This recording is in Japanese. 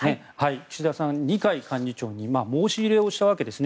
岸田さんは二階幹事長に申し入れをしたわけですね。